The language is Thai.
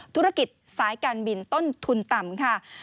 ธุรกิจสายการบินต้นทุนต่ำค่ะ